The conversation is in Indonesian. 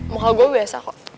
muka gue biasa kok